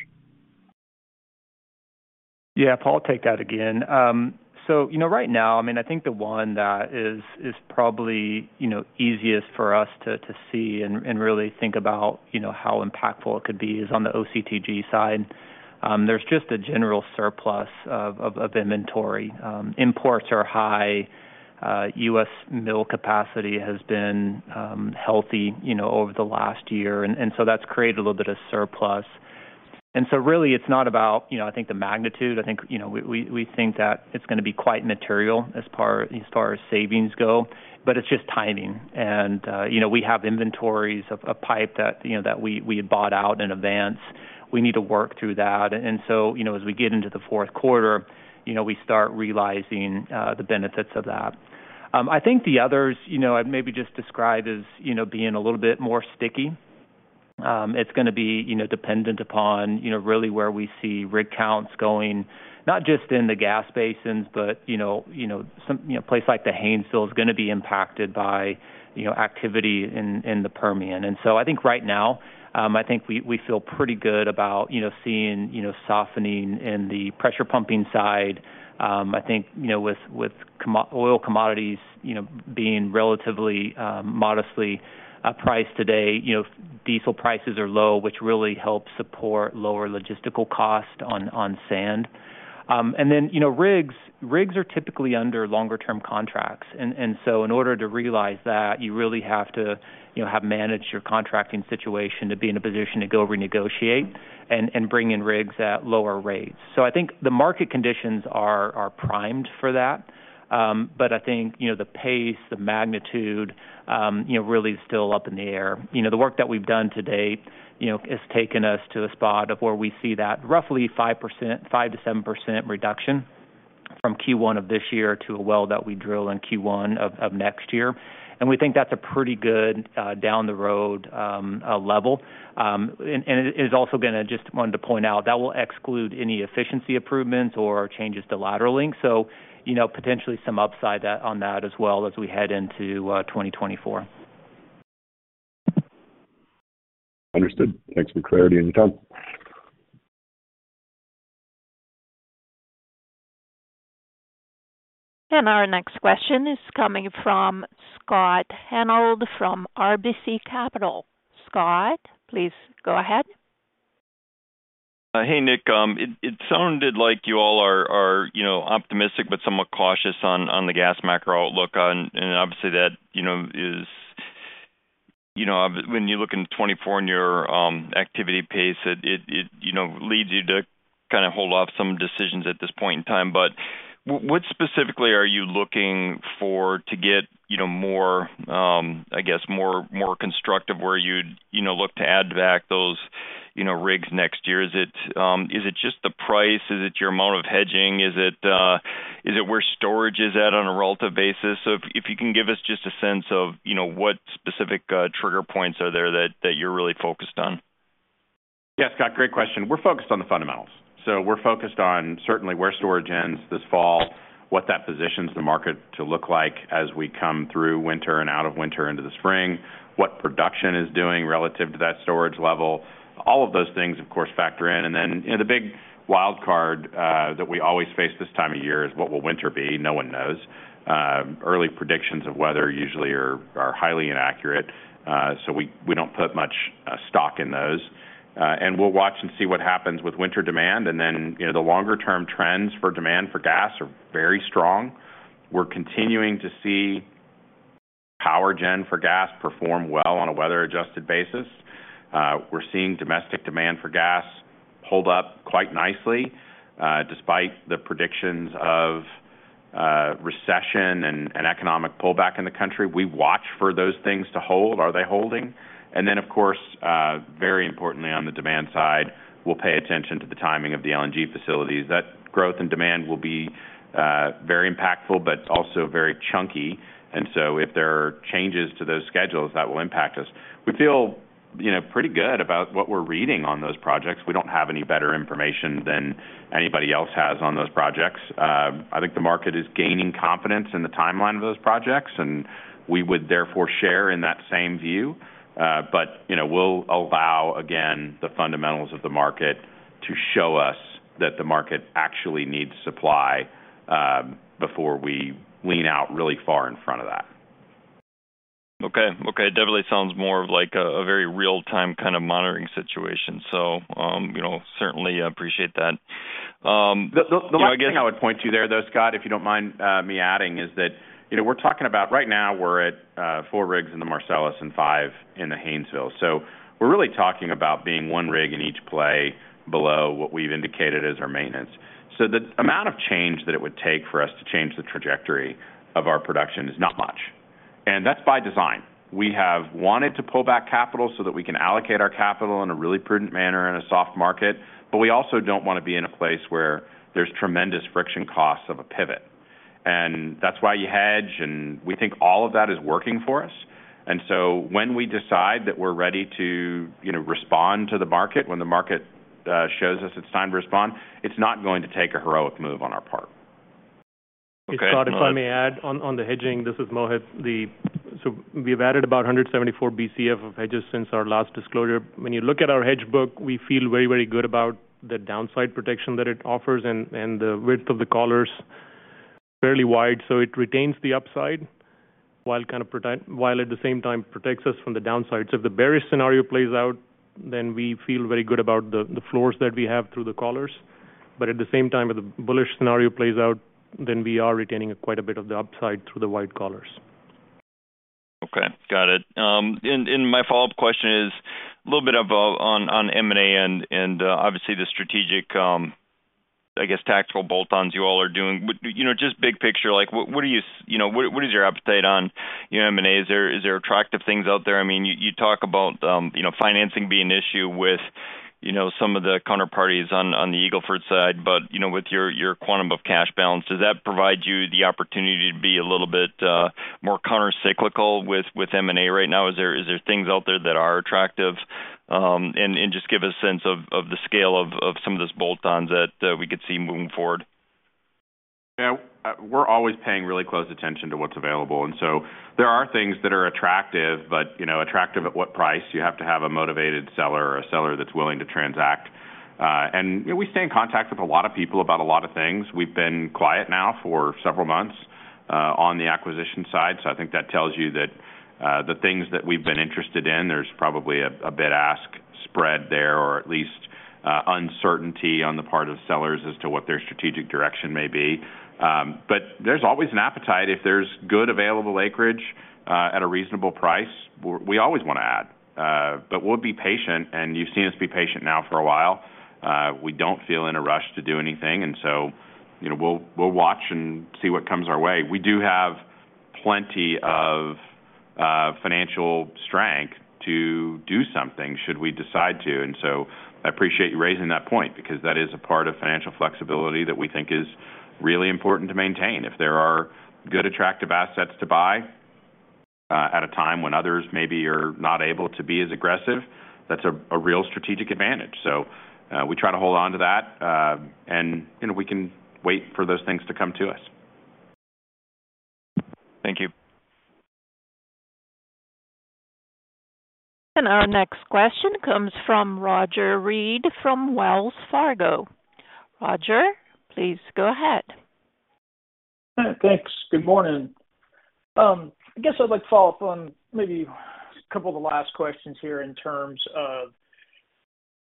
Yeah, Paul, I'll take that again. Right now, I think the one that is, is probably easiest for us to see and really think about how impactful it could be is on the OCTG side. There's just a general surplus of inventory. Imports are high. U.S. mill capacity has been healthy over the last year, and that's created a little bit of surplus. Really, it's not about, I think the magnitude. I think we think that it's gonna be quite material as far as savings go, but it's just timing. And we have inventories of pipe that we had bought out in advance. We need to work through that. You know, as we get into the fourth quarter, you know, we start realizing the benefits of that. I think the others, you know, I'd maybe just describe as, you know, being a little bit more sticky. It's gonna be, you know, dependent upon, you know, really where we see rig counts going, not just in the gas basins, but, you know, you know, some, you know, place like the Haynesville is gonna be impacted by, you know, activity in, in the Permian. I think right now, I think we, we feel pretty good about, you know, seeing, you know, softening in the pressure pumping side. I think, you know, with, with oil commodities, you know, being relatively modestly priced today, you know, diesel prices are low, which really helps support lower logistical cost on, on sand. You know, rigs, rigs are typically under longer term contracts. In order to realize that, you really have to, you know, have managed your contracting situation to be in a position to go renegotiate and, and bring in rigs at lower rates. I think the market conditions are, are primed for that. I think, you know, the pace, the magnitude, you know, really is still up in the air. You know, the work that we've done to date, you know, has taken us to the spot of where we see that roughly 5%, 5%-7% reduction from Q1 of this year to a well that we drill in Q1 of, of next year. We think that's a pretty good down the road level. And it is also gonna-- just wanted to point out, that will exclude any efficiency improvements or changes to lateraling. You know, potentially some upside that, on that as well as we head into, 2024. Understood. Thanks for the clarity and your time. Our next question is coming from Scott Hanold, from RBC Capital. Scott, please go ahead. Hey, Nick. It sounded like you all are, you know, optimistic but somewhat cautious on the gas macro outlook. Obviously that, you know, is... You know, when you look into 2024 and your activity pace, it, you know, leads you to kinda hold off some decisions at this point in time. What specifically are you looking for to get, you know, more, I guess, more constructive where you'd, you know, look to add back those, you know, rigs next year? Is it, is it just the price? Is it your amount of hedging? Is it, is it where storage is at on a relative basis? If you can give us just a sense of, you know, what specific trigger points are there that you're really focused on. Yeah, Scott, great question. We're focused on the fundamentals. We're focused on certainly where storage ends this fall, what that positions the market to look like as we come through winter and out of winter into the spring, what production is doing relative to that storage level. All of those things, of course, factor in. The big wild card that we always face this time of year is what will winter be? No one knows. Early predictions of weather usually are, are highly inaccurate, so we, we don't put much stock in those. We'll watch and see what happens with winter demand. You know, the longer term trends for demand for gas are very strong. We're continuing to see power gen for gas perform well on a weather-adjusted basis. We're seeing domestic demand for gas hold up quite nicely, despite the predictions of recession and, and economic pullback in the country. We watch for those things to hold. Are they holding? Then, of course, very importantly, on the demand side, we'll pay attention to the timing of the LNG facilities. That growth and demand will be very impactful, but also very chunky. If there are changes to those schedules, that will impact us. You know, pretty good about what we're reading on those projects. We don't have any better information than anybody else has on those projects. I think the market is gaining confidence in the timeline of those projects, and we would therefore share in that same view. You know, we'll allow, again, the fundamentals of the market to show us that the market actually needs supply, before we lean out really far in front of that. Okay. Okay, it definitely sounds more of like a, a very real-time kind of monitoring situation. you know, certainly appreciate that. again- The last thing I would point to there, though, Scott, if you don't mind me adding, is that, you know, we're talking about right now, we're at 4 rigs in the Marcellus and 5 in the Haynesville. We're really talking about being 1 rig in each play below what we've indicated as our maintenance. The amount of change that it would take for us to change the trajectory of our production is not much, and that's by design. We have wanted to pull back capital so that we can allocate our capital in a really prudent manner in a soft market, but we also don't want to be in a place where there's tremendous friction costs of a pivot. That's why you hedge, and we think all of that is working for us. So when we decide that we're ready to, you know, respond to the market, when the market shows us it's time to respond, it's not going to take a heroic move on our part. Okay. Scott, if I may add on, on the hedging, this is Mohit. We've added about 174 Bcf of hedges since our last disclosure. When you look at our hedge book, we feel very, very good about the downside protection that it offers and, and the width of the collars, fairly wide. It retains the upside, while kind of protect While at the same time, protects us from the downside. If the bearish scenario plays out, then we feel very good about the, the floors that we have through the collars. At the same time, if the bullish scenario plays out, then we are retaining quite a bit of the upside through the wide collars. Okay, got it. My follow-up question is a little bit about on M&A and obviously, the strategic, I guess, tactical bolt-ons you all are doing. You know, just big picture, like, you know, what, what is your appetite on, you know, M&A? Is there, is there attractive things out there? I mean, you, you talk about, you know, financing being an issue with, you know, some of the counterparties on the Eagle Ford side, but, you know, with your, your quantum of cash balance, does that provide you the opportunity to be a little bit more countercyclical with M&A right now? Is there, is there things out there that are attractive? Just give a sense of, of the scale of, of some of those bolt-ons that we could see moving forward. Yeah. We're always paying really close attention to what's available. There are things that are attractive, you know, attractive at what price? You have to have a motivated seller or a seller that's willing to transact. You know, we stay in contact with a lot of people about a lot of things. We've been quiet now for several months on the acquisition side. I think that tells you that the things that we've been interested in, there's probably a bid-ask spread there, or at least uncertainty on the part of sellers as to what their strategic direction may be. There's always an appetite. If there's good available acreage at a reasonable price, we, we always want to add. We'll be patient. You've seen us be patient now for a while. We don't feel in a rush to do anything, you know, we'll, we'll watch and see what comes our way. We do have plenty of financial strength to do something, should we decide to. I appreciate you raising that point because that is a part of financial flexibility that we think is really important to maintain. If there are good, attractive assets to buy, at a time when others maybe are not able to be as aggressive, that's a, a real strategic advantage. We try to hold on to that, you know, we can wait for those things to come to us. Thank you. Our next question comes from Roger Read, from Wells Fargo. Roger, please go ahead. Thanks. Good morning. I guess I'd like to follow up on maybe a couple of the last questions here in terms of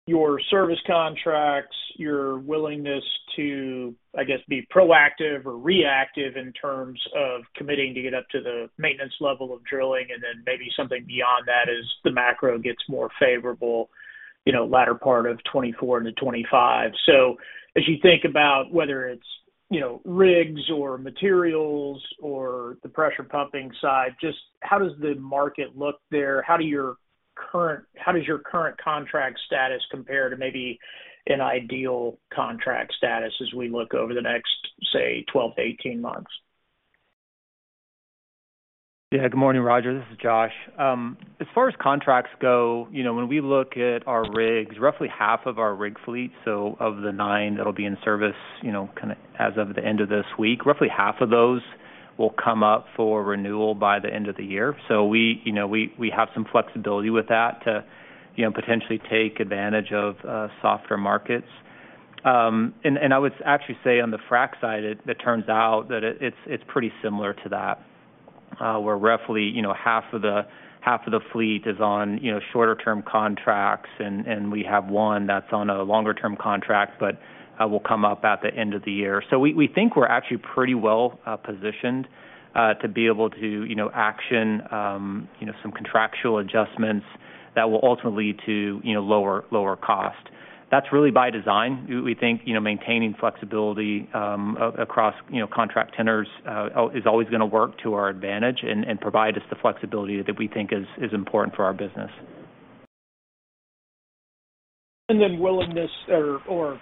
your service contracts, your willingness to, I guess, be proactive or reactive in terms of committing to get up to the maintenance level of drilling, and then maybe something beyond that as the macro gets more favorable, you know, latter part of '24 into '25. As you think about whether it's, you know, rigs or materials or the pressure pumping side, just how does the market look there? How does your current contract status compare to maybe an ideal contract status as we look over the next, say, 12 to 18 months? Yeah. Good morning, Roger. This is Josh. As far as contracts go, you know, when we look at our rigs, roughly half of our rig fleet, so of the nine that'll be in service, you know, kind of as of the end of this week, roughly half of those will come up for renewal by the end of the year. We, you know, we, we have some flexibility with that to, you know, potentially take advantage of softer markets. I would actually say on the frac side, it, it turns out that it, it's, it's pretty similar to that, where roughly, you know, half of the, half of the fleet is on, you know, shorter-term contracts, and, and we have one that's on a longer-term contract, but, will come up at the end of the year. We, we think we're actually pretty well positioned to be able to, you know, action, you know, some contractual adjustments that will ultimately lead to, you know, lower, lower cost. That's really by design. We, we think, you know, maintaining flexibility across, you know, contract tenors is always going to work to our advantage and, and provide us the flexibility that we think is, is important for our business. Then willingness or,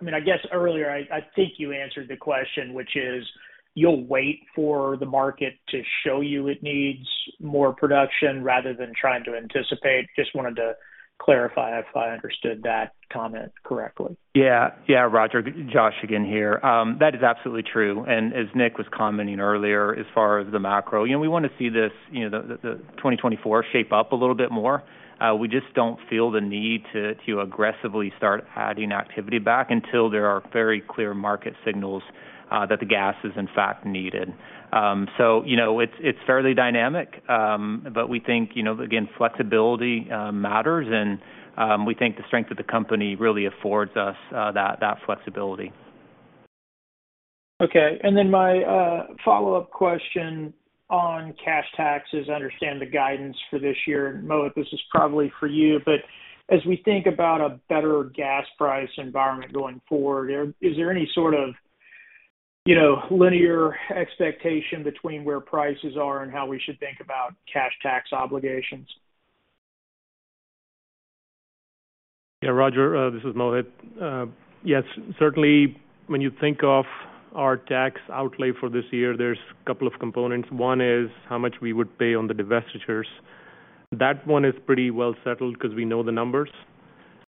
I mean, I guess earlier, I think you answered the question, which is: You'll wait for the market to show you it needs more production rather than trying to anticipate. Just wanted to clarify if I understood that comment correctly? Yeah. Yeah, Roger, Josh, again, here. That is absolutely true. As Nick was commenting earlier, as far as the macro, you know, we want to see this, you know, the, the, the 2024 shape up a little bit more. We just don't feel the need to aggressively start adding activity back until there are very clear market signals that the gas is in fact needed. You know, it's fairly dynamic, but we think, you know, again, flexibility matters, and we think the strength of the company really affords us that flexibility. Okay. Then my follow-up question on cash taxes. I understand the guidance for this year, Mohit, this is probably for you, but as we think about a better gas price environment going forward, is there any sort of, you know, linear expectation between where prices are and how we should think about cash tax obligations? Yeah, Roger, this is Mohit. Yes, certainly when you think of our tax outlay for this year, there's a couple of components. One is how much we would pay on the divestitures. That one is pretty well settled because we know the numbers.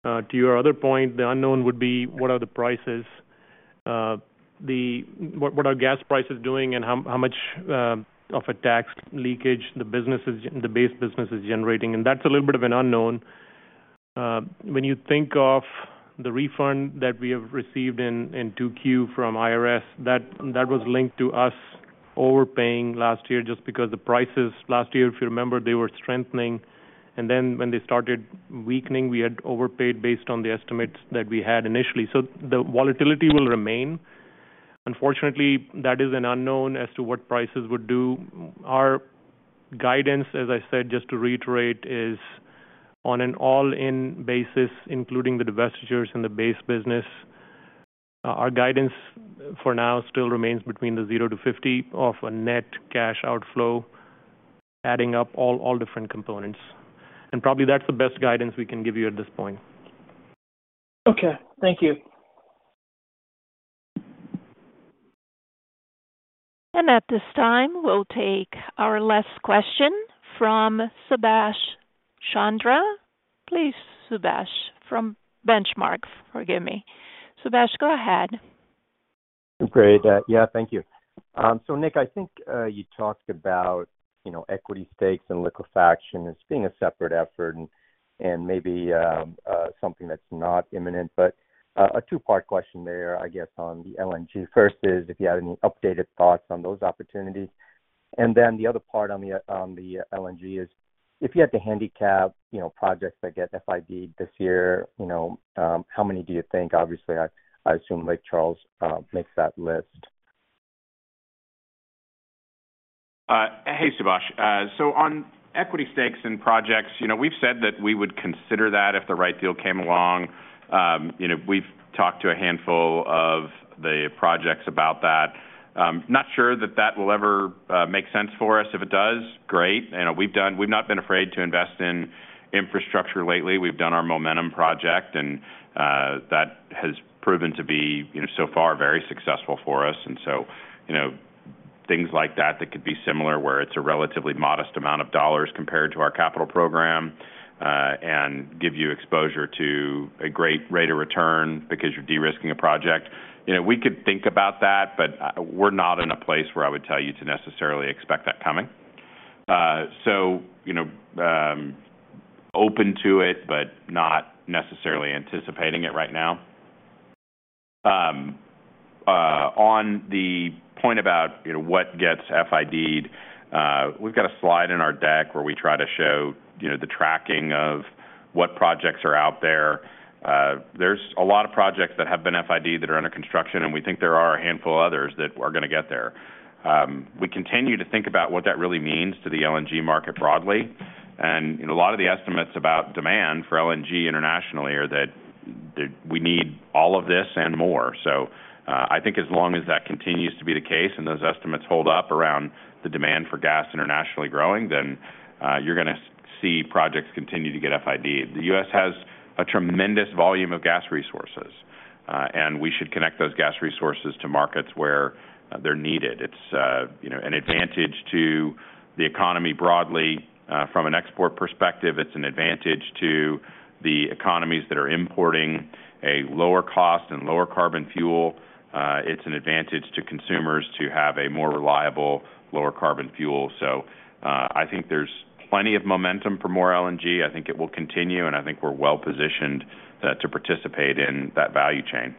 To your other point, the unknown would be what are the prices, what, what are gas prices doing and how, how much of a tax leakage the business the base business is generating? That's a little bit of an unknown. When you think of the refund that we have received in, in 2Q from IRS, that, that was linked to us overpaying last year just because the prices last year, if you remember, they were strengthening, and then when they started weakening, we had overpaid based on the estimates that we had initially. The volatility will remain. Unfortunately, that is an unknown as to what prices would do. Our guidance, as I said, just to reiterate, is on an all-in basis, including the divestitures and the base business. Our guidance for now still remains between the $0 to $50 of a net cash outflow, adding up all, all different components. Probably that's the best guidance we can give you at this point. Okay. Thank you. At this time, we'll take our last question from Subash Chandra. Please, Subash from Benchmark. Forgive me. Subash, go ahead. Great. Yeah, thank you. Nick, I think, you talked about, you know, equity stakes and liquefaction as being a separate effort and, and maybe, something that's not imminent. A two-part question there, I guess, on the LNG. First is if you have any updated thoughts on those opportunities. The other part on the, on the LNG is: If you had to handicap, you know, projects that get FID this year, you know, how many do you think? Obviously, I, I assume Lake Charles makes that list. Hey, Subash. So on equity stakes in projects, you know, we've said that we would consider that if the right deal came along. You know, we've talked to a handful of the projects about that. Not sure that that will ever make sense for us. If it does, great. You know, we've done— we've not been afraid to invest in infrastructure lately. We've done our Momentum project, and that has proven to be, you know, so far, very successful for us. So, you know, things like that, that could be similar, where it's a relatively modest amount of dollars compared to our capital program, and give you exposure to a great rate of return because you're de-risking a project. You know, we could think about that, but, we're not in a place where I would tell you to necessarily expect that coming. You know, open to it, but not necessarily anticipating it right now. On the point about, you know, what gets FID'd, we've got a slide in our deck where we try to show, you know, the tracking of what projects are out there. There's a lot of projects that have been FID that are under construction, and we think there are a handful of others that are gonna get there. We continue to think about what that really means to the LNG market broadly. You know, a lot of the estimates about demand for LNG internationally are that we need all of this and more. I think as long as that continues to be the case and those estimates hold up around the demand for gas internationally growing, you're gonna see projects continue to get FID. The U.S. has a tremendous volume of gas resources, and we should connect those gas resources to markets where they're needed. It's, you know, an advantage to the economy broadly. From an export perspective, it's an advantage to the economies that are importing a lower cost and lower carbon fuel. It's an advantage to consumers to have a more reliable, lower carbon fuel. I think there's plenty of momentum for more LNG. I think it will continue, and I think we're well-positioned to participate in that value chain.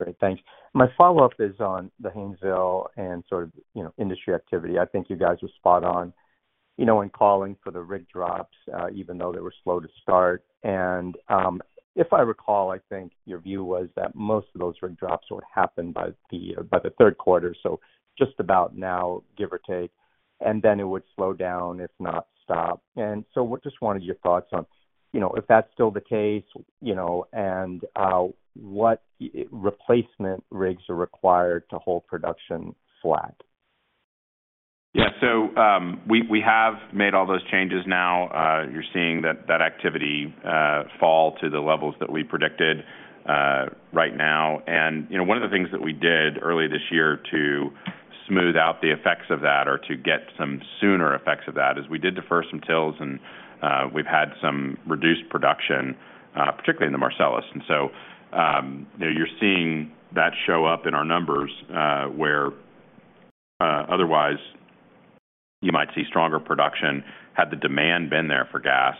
Great. Thanks. My follow-up is on the Haynesville and sort of, you know, industry activity. I think you guys were spot on, you know, in calling for the rig drops, even though they were slow to start. If I recall, I think your view was that most of those rig drops would happen by the, by the third quarter, so just about now, give or take, and then it would slow down, if not stop. Just wanted your thoughts on, you know, if that's still the case, you know, and what replacement rigs are required to hold production flat? Yeah. We, we have made all those changes now. You're seeing that, that activity fall to the levels that we predicted right now. You know, one of the things that we did early this year to smooth out the effects of that or to get some sooner effects of that, is we did defer some TILs, and we've had some reduced production, particularly in the Marcellus. You're seeing that show up in our numbers, where otherwise you might see stronger production. Had the demand been there for gas,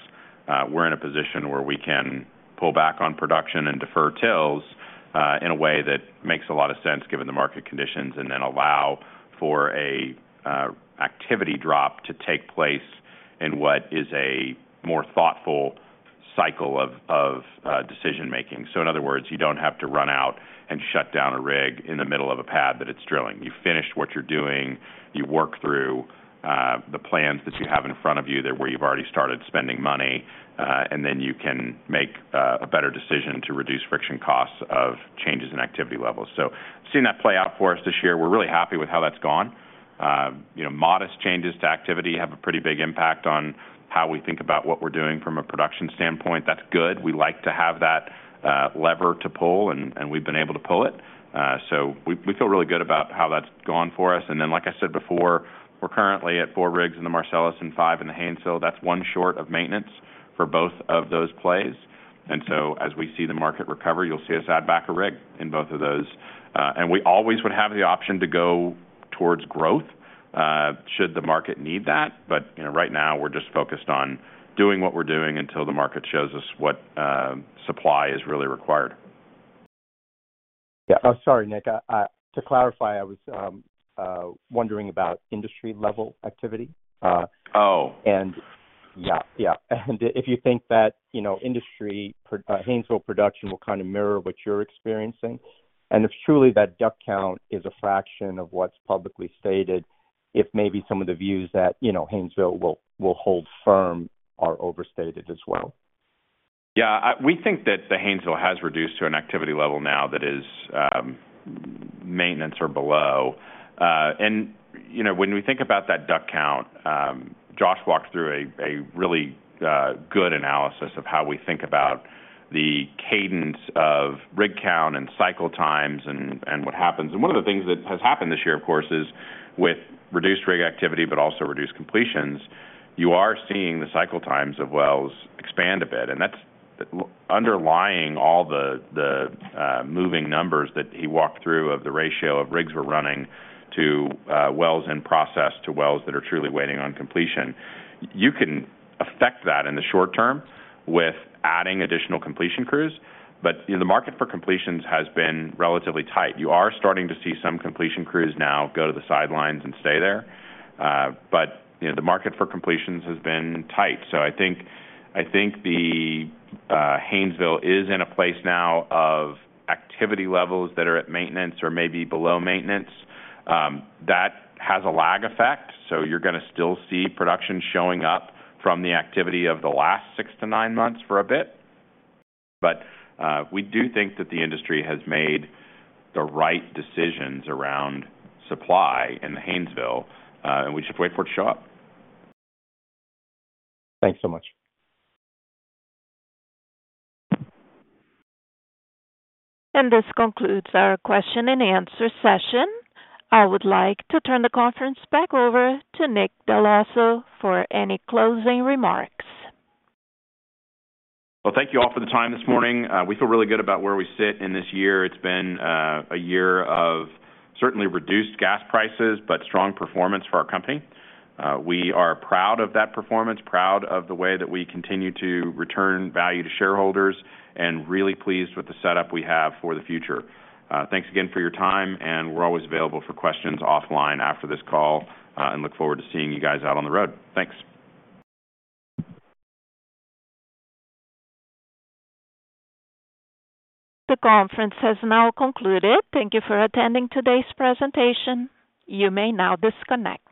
we're in a position where we can pull back on production and defer TILs, in a way that makes a lot of sense, given the market conditions, and then allow for a activity drop to take place in what is a more thoughtful cycle of, of, decision making. In other words, you don't have to run out and shut down a rig in the middle of a pad that it's drilling. You finish what you're doing, you work through, the plans that you have in front of you that where you've already started spending money, and then you can make a better decision to reduce friction costs of changes in activity levels. Seeing that play out for us this year, we're really happy with how that's gone. You know, modest changes to activity have a pretty big impact on how we think about what we're doing from a production standpoint. That's good. We like to have that lever to pull, and, and we've been able to pull it. We, we feel really good about how that's gone for us. Then, like I said before, we're currently at 4 rigs in the Marcellus and 5 in the Haynesville. That's one short of maintenance for both of those plays. As we see the market recover, you'll see us add back a rig in both of those. We always would have the option to go towards growth should the market need that. You know, right now we're just focused on doing what we're doing until the market shows us what supply is really required. Yeah. Oh, sorry, Nick. To clarify, I was wondering about industry-level activity. Oh. Yeah, yeah. If you think that, you know, industry, Haynesville production will kind of mirror what you're experiencing, and if truly that DUC count is a fraction of what's publicly stated, if maybe some of the views that, you know, Haynesville will, will hold firm, are overstated as well. Yeah, we think that the Haynesville has reduced to an activity level now that is maintenance or below. You know, when we think about that DUC count, Josh walked through a really good analysis of how we think about the cadence of rig count and cycle times and what happens. One of the things that has happened this year, of course, is with reduced rig activity, but also reduced completions, you are seeing the cycle times of wells expand a bit, and that's underlying all the moving numbers that he walked through of the ratio of rigs we're running to wells in process, to wells that are truly waiting on completion. You can affect that in the short term with adding additional completion crews, but, you know, the market for completions has been relatively tight. You are starting to see some completion crews now go to the sidelines and stay there. You know, the market for completions has been tight. I think, I think the Haynesville is in a place now of activity levels that are at maintenance or maybe below maintenance. That has a lag effect, so you're gonna still see production showing up from the activity of the last six to nine months for a bit. We do think that the industry has made the right decisions around supply in the Haynesville, and we should wait for it to show up. Thanks so much. This concludes our Q&A session. I would like to turn the conference back over to Nick Dell'Osso for any closing remarks. Well, thank you all for the time this morning. We feel really good about where we sit in this year. It's been a year of certainly reduced gas prices, but strong performance for our company. We are proud of that performance, proud of the way that we continue to return value to shareholders, and really pleased with the setup we have for the future. Thanks again for your time, and we're always available for questions offline after this call, and look forward to seeing you guys out on the road. Thanks. The conference has now concluded. Thank you for attending today's presentation. You may now disconnect.